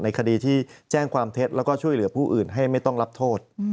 คดีที่แจ้งความเท็จแล้วก็ช่วยเหลือผู้อื่นให้ไม่ต้องรับโทษ